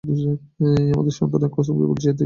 আমার সন্তানের কসম খেয়ে বলছি, এর থেকে বেশি কিছু জানি না।